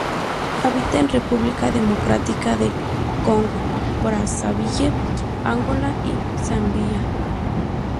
Habita en República Democrática del Congo, Brazzaville, Angola y Zambia.